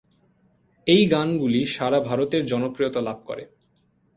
এই গানগুলি সারা ভারতে জনপ্রিয়তা লাভ করে।